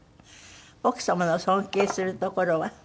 「奥様の尊敬するところは？」